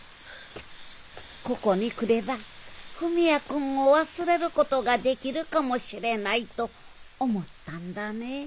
ここに来れば文也君を忘れることができるかもしれないと思ったんだねぇえ？